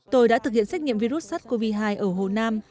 tôi đã thực hiện xét nghiệm virus sars cov hai ở hồ nam